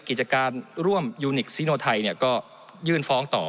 กิจการร่วมยูนิคซิโนไทยก็ยื่นฟ้องต่อ